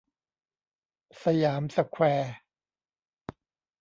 สยามสแควร์